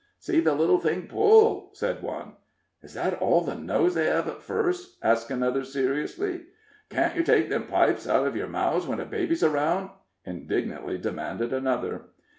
"See the little thing pull," said one. "Is that all the nose they hev at fust?" asked another, seriously. "Can't yer take them pipes out uv yer mouths when the baby's aroun'?" indignantly demanded another.